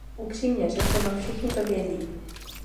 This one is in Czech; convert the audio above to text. Upřímně řečeno, všichni to vědí.